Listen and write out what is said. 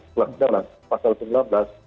kelas jalan pasal sembilan belas